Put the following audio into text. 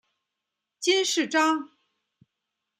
金饰章。